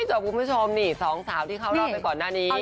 ทุกคนผู้ชมสองสาวที่เข้ารอเต็มป่อนหน้านี้